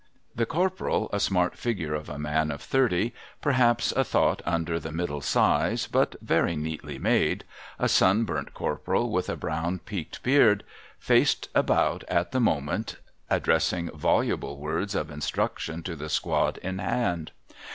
The Corporal, a smart figure of a man of thirty, perhajts a thought under the middle size, but very neatly made, — a sunburnt Corporal with a brown peaked beard, — faced about at the moment, addressing voluble words of instruction to the squad in hand.